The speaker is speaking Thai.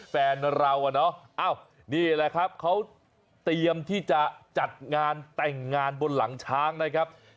แฟนเราอะเนาะนี่แหละครับเขาเตรียมที่จะจัดงานแต่งงานบนหลังช้างนะครับ